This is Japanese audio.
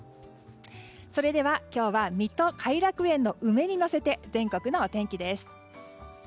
それでは今日は水戸・偕楽園の梅にのせて全国のお天気です。